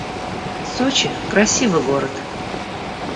Сочи — красивый город